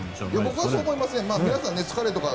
僕はそう思います。